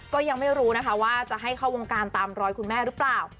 ก็ยังไม่รู้นะคะว่าจะให้เข้าวงการตามรอยคุณแม่หรือเปล่า